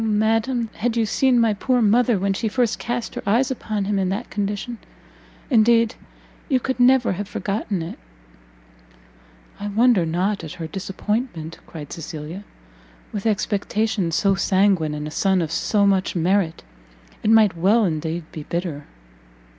Oh madam, had you seen my poor mother when she first cast her eyes upon him in that condition! indeed you could never have forgotten it!" "I wonder not at her disappointment," cried Cecilia; "with expectations so sanguine, and a son of so much merit, it might well indeed be bitter."